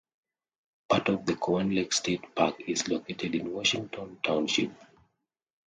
Part of Cowan Lake State Park is located in Washington Township.